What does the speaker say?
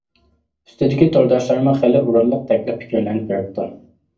ئۈستىدىكى تورداشلارمۇ خېلى ئورۇنلۇق تەكلىپ پىكىرلەرنى بېرىپتۇ.